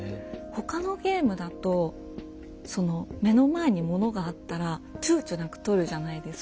他のゲームだと目の前にものがあったらちゅうちょなくとるじゃないですか。